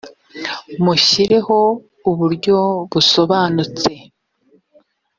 mushyireho uburyo busobanutse.